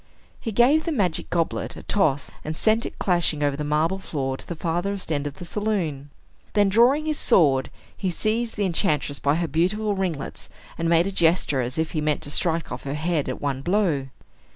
He gave the magic goblet a toss, and sent it clashing over the marble floor to the farthest end of the saloon. Then, drawing his sword, he seized the enchantress by her beautiful ringlets, and made a gesture as if he meant to strike off her head at one blow.